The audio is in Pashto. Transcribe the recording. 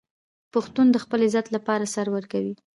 پښتون د خپل عزت لپاره سر ورکوي.